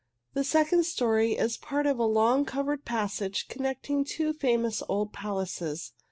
The second story is part of a long, covered passage connecting two famous old palaces.